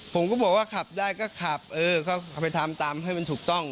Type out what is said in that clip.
ผมก็บอกว่าขับได้ก็ขับเออก็ไปทำตามให้มันถูกต้อง